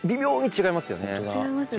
違いますね。